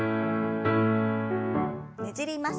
ねじります。